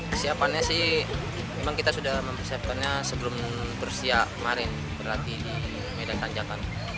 kesiapannya sih memang kita sudah mempersiapkannya sebelum rusia kemarin berlatih di medan tanjakan